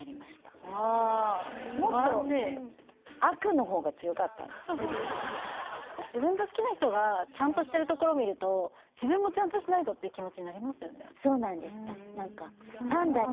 すばらしいもっと自分が好きな人がちゃんとしてるところ見ると自分もちゃんとしないとっていう気持ちになりますよね